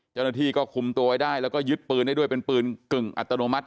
เจ้าหน้าที่ก็คุมตัวไว้ได้แล้วก็ยึดปืนได้ด้วยเป็นปืนกึ่งอัตโนมัติ